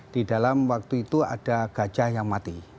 di dalam waktu itu ada gajah yang mati